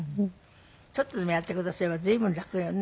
ちょっとでもやってくだされば随分楽よね。